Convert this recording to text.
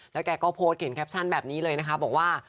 แล้วแกก็โพสต์เขียนแคปชั่นแบบนี้เลยนะคะบอกว่า